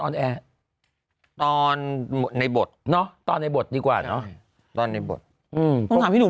ออนแอร์ตอนในบทเนอะตอนในบทดีกว่าเนอะตอนในบทอืมต้องถามที่หนู